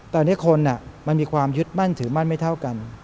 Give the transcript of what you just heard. ตอนนี้คนมันมีความยึดมั่นถือมั่นไม่เท่ากัน